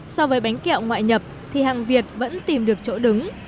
so với bánh kẹo ngoại nhập thì hàng việt vẫn tìm được chỗ đứng